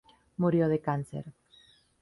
Murió de cáncer.